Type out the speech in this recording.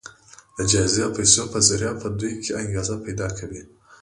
د جايزې او پيسو په ذريعه په دوی کې انګېزه پيدا کوي.